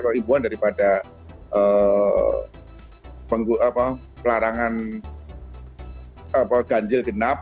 atau himbauan daripada pelarangan ganjil genap